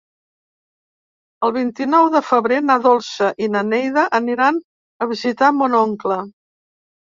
El vint-i-nou de febrer na Dolça i na Neida aniran a visitar mon oncle.